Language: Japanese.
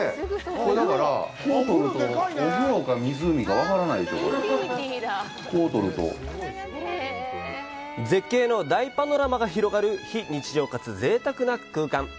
これ、だから、こう撮ると絶景の大パノラマが広がる、非日常、かつ、ぜいたくな空間。